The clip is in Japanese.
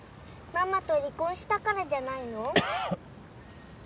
ママと離婚したからじゃないの？